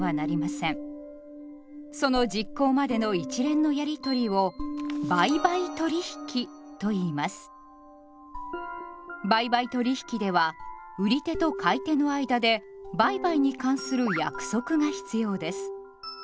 その実行までの一連のやり取りを売買取引では売り手と買い手の間で売買に関する約束が必要です。